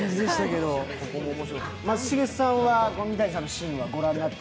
松重さんはこの三谷さんのシーンを御覧になって？